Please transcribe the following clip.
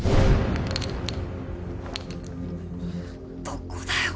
どこだよ！